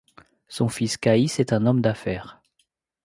Son fils, Kaïs est un homme d'affaires.